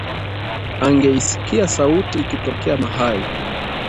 Angeisikia sauti ikitokea mahali